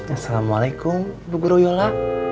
assalamualaikum bu guruyola